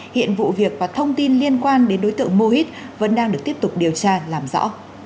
hiện vụ việc và thông tin liên quan đến đối tượng mô hít vẫn đang được tiếp tục điều tra làm rõ